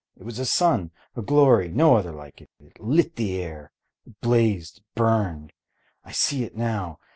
It was a sun! a glory! No other like it! It lit the air! it blazed, it burned! I see it now!